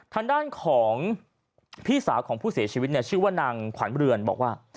ทางด้านของพี่สาวของผู้เสียชีวิตชื่อว่านางขวานบริเวณบอกว่า